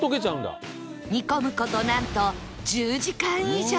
煮込む事なんと１０時間以上